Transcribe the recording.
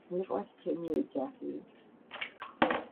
მიყვარს ჩემი ოჯახიი